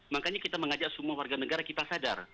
makanya kita mengajak semua warga negara kita sadar